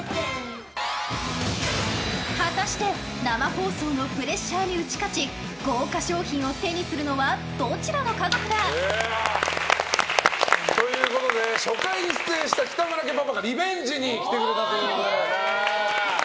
果たして生放送のプレッシャーに打ち勝ち豪華賞品を手にするのはどちらの家族だ？ということで初回に出演した北村家パパがリベンジに来てくれたということで。